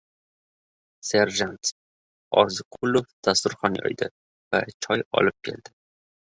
Serjant Orziqulov dasturxon yoydi. Choy olib keldi.